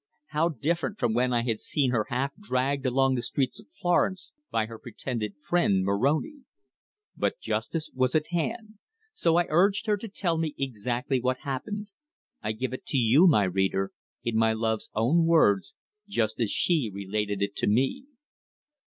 How different from when I had seen her half dragged along the streets of Florence by her pretended friend Moroni. But justice was at hand. So I urged her to tell me exactly what happened. I give it to you, my reader, in my love's own words, just as she related it to me.